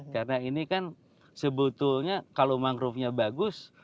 karena ini kan sebetulnya kalau mangrovenya bagus